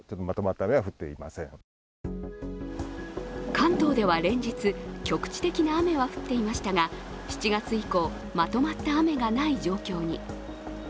関東では連日、局地的な雨は降っていましたが、７月以降、まとまった雨がない状況に。